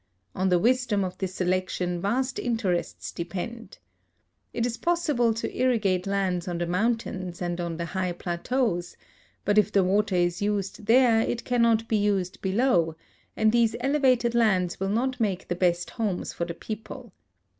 On the wisdom of this selection vast interests depend. It is possible to irrigate lauds on the mountains and on the high plateaus, but if the water is used there it cannot be used below, and these elevated lands will not make the best homes for the people.